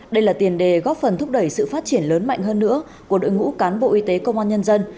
đây là tiền đề góp phần thúc đẩy sự phát triển lớn mạnh hơn nữa của đội ngũ cán bộ y tế công an nhân dân